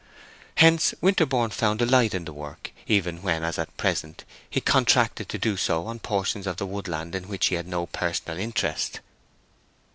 Hence Winterborne found delight in the work even when, as at present, he contracted to do it on portions of the woodland in which he had no personal interest.